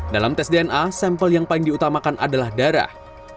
dalam tes dna sampel yang paling diutamakan adalah darah